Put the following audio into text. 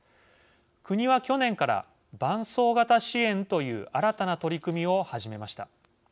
国は、去年から伴走型支援という新たな取り組みを始めました。